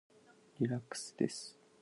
リラックスです。